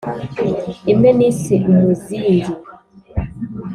imwe nise umuzingi,